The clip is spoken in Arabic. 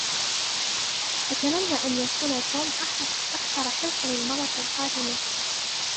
أتمنى ان يكون توم أكثر حرصاً المرة القادمة.